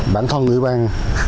bản thân ủy ban